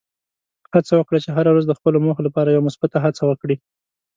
هڅه وکړه چې هره ورځ د خپلو موخو لپاره یوه مثبته هڅه وکړې.